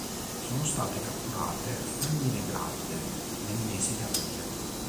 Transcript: Sono state catturate femmine gravide nel mese di aprile.